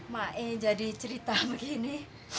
mak ini jadi cerita begini